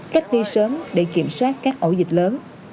cách ly sớm để kiểm soát các ổ dịch lớn